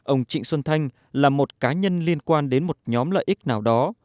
ông trịnh xuân thanh là một cá nhân liên quan đến một nhóm lợi ích nào đó